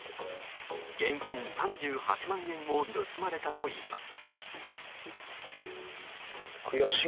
現金３８万円を盗まれたといいます。